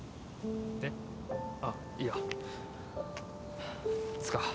えっあっいやつか